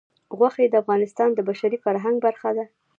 غوښې د افغانستان د بشري فرهنګ برخه ده.